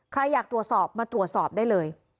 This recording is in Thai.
ใครอยากตรวจสอบมาตรวจสอบได้เลย